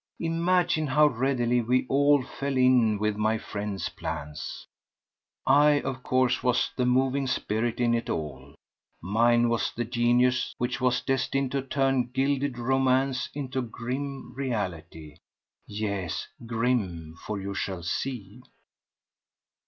Imagine how readily we all fell in with my friend's plans. I, of course, was the moving spirit in it all; mine was the genius which was destined to turn gilded romance into grim reality. Yes, grim! For you shall see!